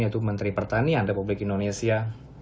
yaitu menteri pertanian republik indonesia